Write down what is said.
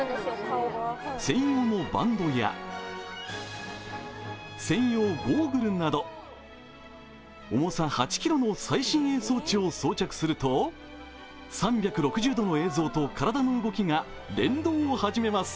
専用のバンドや専用ゴーグルなど、重さ８ｋｇの最新鋭装置を装着すると、３６０度の映像と体の動きが連動を始めます。